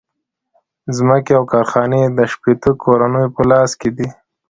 ځمکې او کارخانې د شپیته کورنیو په لاس کې دي